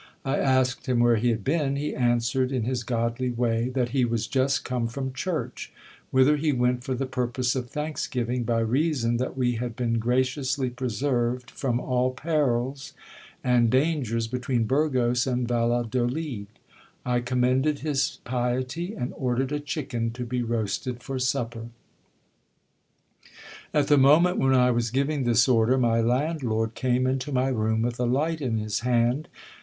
I asked him where he had been : he answered in his godly way, that he was just come from church, whither he went for the purpose of thanks giving, by reason that we had been graciously preserved from all perils and dangers between Burgos and Valladolid. I commended his piety ; and ordered a chicken to be roasted for supper. At the moment when I was giving this order, my landlord came into my room with a light in his hand.